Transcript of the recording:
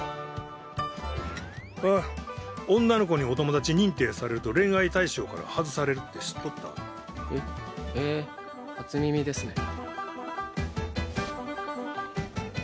あっ女の子にお友達認定されると恋愛対象から外されるって知っとった？へへえ初耳ですね。